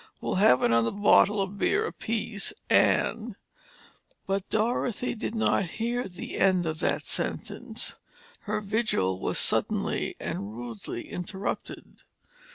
We'll have another bottle of beer apiece and—" But Dorothy did not hear the end of that sentence. Her vigil was suddenly and rudely interrupted.